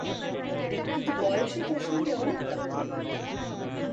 কিন্তু বয়সে তোর সঙ্গে অনেক তফাত।